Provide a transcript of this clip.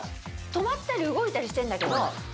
止まったり動いたりしてるんだけど。